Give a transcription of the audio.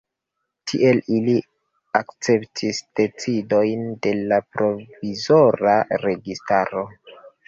Tiel ili akceptis decidojn de la provizora registaro.